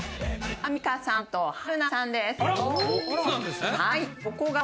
アンミカさんと春菜さんです。